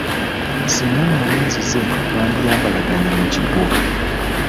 Singa nali nzize twandiyambalaganye mu kigwo.